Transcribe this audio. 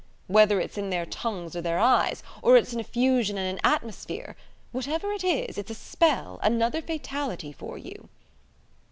Whether it's in their tongues or their eyes, or it's an effusion and an atmosphere whatever it is, it's a spell, another fatality for you!"